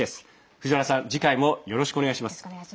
藤原さん、次回もよろしくお願いします。